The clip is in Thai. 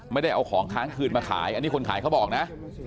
ไม่ได้เอาของค้างคืนมาขายอันนี้คนขายเขาบอกนะ